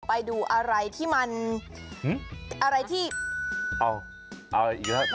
ไปดูอะไรที่มันอะไรที่เอาอะไรอีกแล้ว